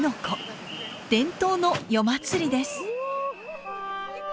伝統の夜祭りです。